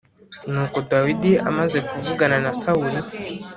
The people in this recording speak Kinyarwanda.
Nuko Dawidi amaze kuvugana na Sawuli